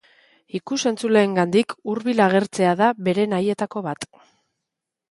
Ikus-entzuleengandik hurbil agertzea da bere nahietako bat.